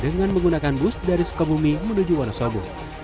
dengan menggunakan bus dari sukabumi menuju wonosobo